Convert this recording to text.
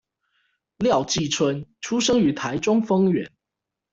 廖繼春出生於台中豐原